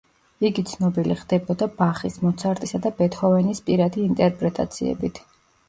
იგი ცნობილი ხდებოდა ბახის, მოცარტისა და ბეთჰოვენის პირადი ინტერპრეტაციებით.